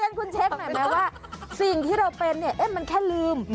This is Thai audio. แล้วก็คุณเช็คหน่อยนะว่าสิ่งที่เราเป็นเนี่ยมันแค่ลืม